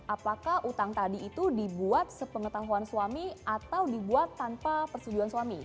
apakah utang tadi itu dibuat sepengetahuan suami atau dibuat tanpa persetujuan suami